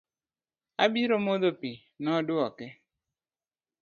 Abiro modho pii, nodwoke